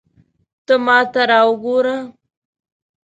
ته ماته را وګوره